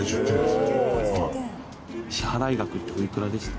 支払い額っておいくらでした？